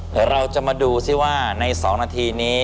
เดี๋ยวเราจะมาดูซิว่าใน๒นาทีนี้